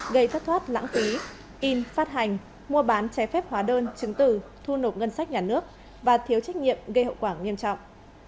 gây thất thoát lãng phí in phát hành mua bán trái phép hóa đơn chứng tử thu nộp ngân sách nhà nước và thiếu trách nhiệm gây hậu quả nghiêm trọng